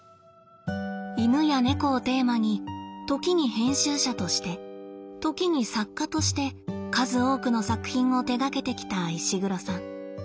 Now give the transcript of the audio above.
「犬」や「猫」をテーマに時に編集者として時に作家として数多くの作品を手がけてきた石黒さん。